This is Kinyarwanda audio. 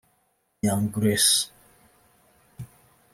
Young Grace